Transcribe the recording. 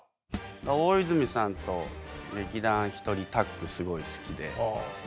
大泉さんと劇団ひとりタッグすごい好きで。